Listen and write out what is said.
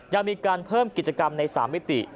ยังมีการเพิ่มกิจกรรมใน๓มิติ